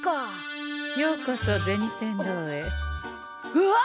うわっ！